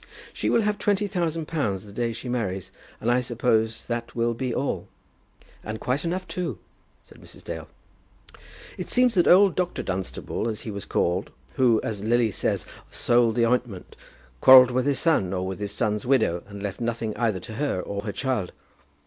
"She will have twenty thousand pounds the day she marries, and I suppose that will be all." "And quite enough, too," said Mrs. Dale. "It seems that old Dr. Dunstable, as he was called, who, as Lily says, sold the ointment, quarrelled with his son or with his son's widow, and left nothing either to her or her child.